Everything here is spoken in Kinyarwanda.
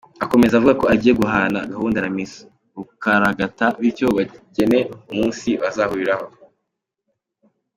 Akomeza avuga ko agiye guhana gahunda na Miss Rukaragata bityo bagene umunsi bazahuriraho.